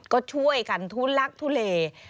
ก็ช่วยกันทุลักทุเล